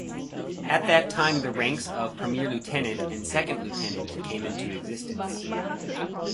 At that time the ranks of "Premier-Lieutenant" and "Seconde-Lieutenant" came into existence.